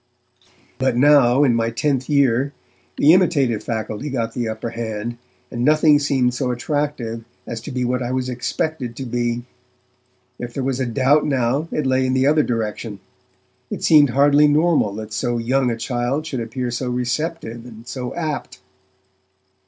But now, in my tenth year, the imitative faculty got the upper hand, and nothing seemed so attractive as to be what I was expected to be. If there was a doubt now, it lay in the other direction; it seemed hardly normal that so young a child should appear so receptive and so apt.